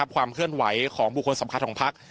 กับความเคลื่อนไหวของผู้คนสำคัญของพรรค